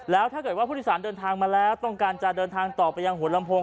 แล้วถ้าเกิดว่าผู้โดยสารเดินทางมาแล้วต้องการจะเดินทางต่อไปยังหัวลำโพง